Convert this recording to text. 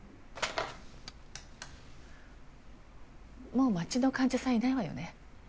もう待ちの患者さんいないわよね？